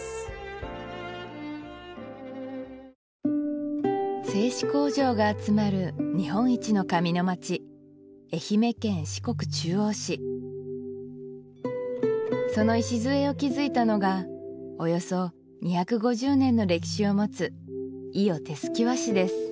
今度は製紙工場が集まる日本一の紙の町愛媛県四国中央市その礎を築いたのがおよそ２５０年の歴史をもつ伊予手漉き和紙です